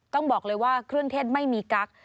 ต้องบอกเลยว่าเครื่องเทศไม่มีกั๊ก